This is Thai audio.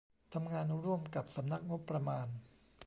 ทำงานร่วมกับสำนักงบประมาณ